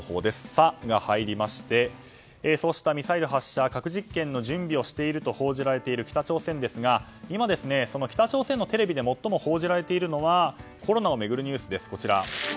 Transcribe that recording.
「サ」が入りましてそうしたミサイル発射核実験の準備をしていると報じられている北朝鮮ですが、今北朝鮮のテレビで最も報じられているのはコロナを巡るニュースです。